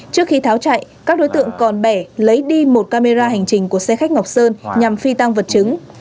trước khi tháo chạy các đối tượng còn bẻ lấy đi một camera hành trình của xe khách ngọc sơn nhằm phi tăng vật chứng